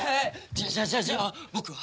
じゃあじゃあじゃあじゃあ僕は？